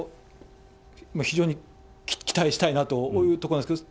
非常に期待したいなというところなんですけれども。